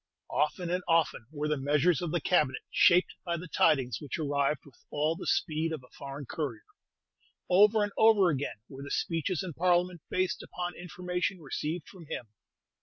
Often and often were the measures of the Cabinet shaped by the tidings which arrived with all the speed of a foreign courier; over and over again were the speeches in Parliament based upon information received from him.